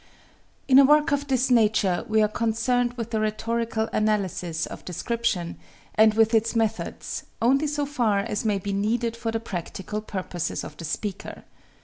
In a work of this nature we are concerned with the rhetorical analysis of description, and with its methods, only so far as may be needed for the practical purposes of the speaker.